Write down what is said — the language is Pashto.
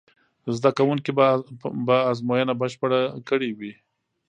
زده کوونکي به ازموینه بشپړه کړې وي.